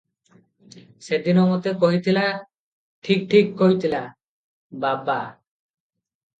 ସେଦିନ ମୋତେ କହିଥିଲା- ଠିକ୍ ଠିକ୍ କହିଥିଲା-ବାବା!